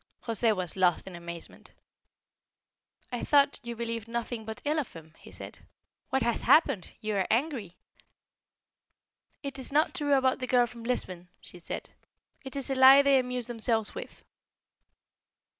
José was lost in amazement. "I thought you believed nothing but ill of him," he said. "What has happened? You are angry angry." "It is not true about the girl from Lisbon," she said. "It is a lie they amuse themselves with."